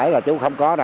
để chấp hành đúng